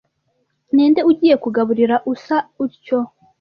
Ni nde ugiye kugaburira usa utyo